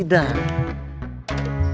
masalah warungnya kang dadang